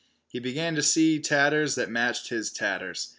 He began to see tatters that matched his tatters.